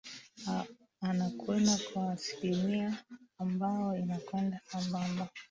ana kwenda kwa asilimia ambao inakwenda sambamba